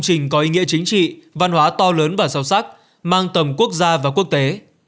trình có ý nghĩa chính trị văn hóa to lớn và sâu sắc mang tầm quốc gia và quốc tế